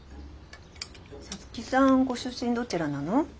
皐月さんご出身どちらなの？